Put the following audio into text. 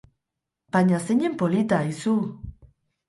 Baina zeinen polita aizu!